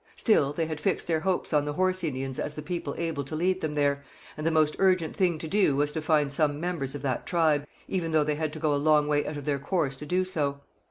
Still, they had fixed their hopes on the Horse Indians as the people able to lead them there, and the most urgent thing to do was to find some members of that tribe, even though they had to go a long way out of their course to do so.